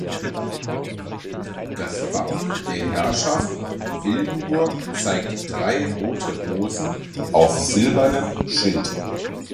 Das Wappen der Herrschaft Wildenburg zeigt drei rote Rosen auf silbernem Schild.